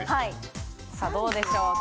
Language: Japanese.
さぁどうでしょうか。